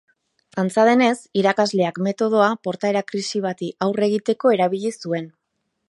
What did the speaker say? Antza denez, irakasleak metodoa portaera krisi bati aurre egiteko erabili zuen.